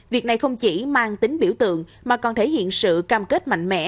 việc này không chỉ mang tính biểu tượng mà còn thể hiện sự cam kết mạnh mẽ